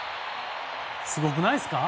すごくないですか。